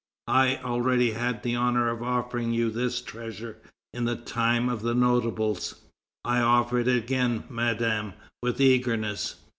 I already had the honor of offering you this treasure in the time of the Notables; I offer it again, Madame, with eagerness.